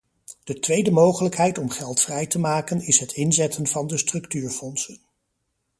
De tweede mogelijkheid om geld vrij te maken is het inzetten van de structuurfondsen.